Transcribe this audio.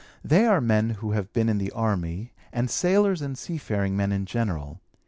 They are men who have been in the army and sailors and seafaring men in general.